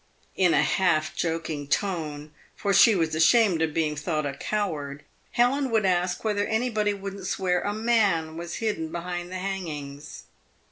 In a half joking tone — for she was ashamed of being thought a coward — Helen would ask whether anybody wouldn't swear a man was hidden behind the hangings